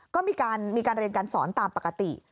ก็มีการเรียนการสอนตามปกติ